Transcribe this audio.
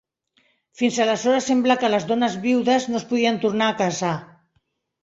Fins aleshores sembla que les dones viudes no es podien tornar a casar.